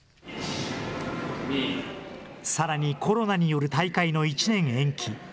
さらにコロナによる大会の１年延期。